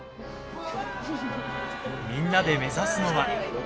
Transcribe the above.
みんなで目指すのは。